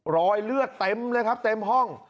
รอยเลือดเต็มเลยครับเต็มห้อง